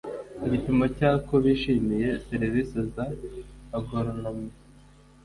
ku gipimo cya ko bishimiye serivisi za agoronome